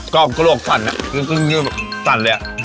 กรอบกระโหลกสั่นอ่ะจริงสั่นเลยอ่ะ